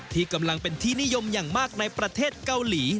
ที่กำลังเป็นที่นิยมอย่างมากในประเทศเกาหลี